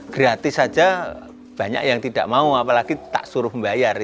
gratis saja banyak yang tidak mau apalagi tak suruh membayar